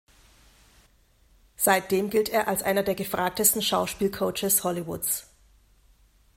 Seitdem gilt er als einer der gefragtesten Schauspiel-Coaches Hollywoods.